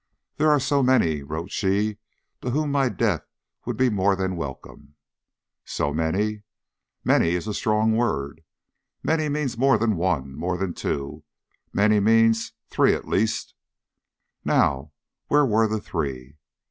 "There are so many," wrote she, "to whom my death would be more than welcome." So many! Many is a strong word; many means more than one, more than two; many means three at least. Now where were the three?